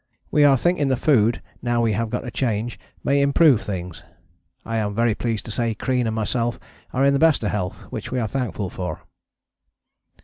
We are thinking the food, now we have got a change, may improve things. I am very pleased to say Crean and myself are in the best of health, which we are thankful for.